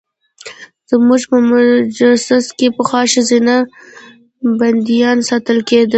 زموږ په محبس کې پخوا ښځینه بندیانې ساتل کېدې.